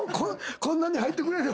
「こんなに入ってくれる」